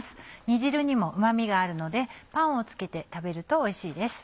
煮汁にもうま味があるのでパンをつけて食べるとおいしいです。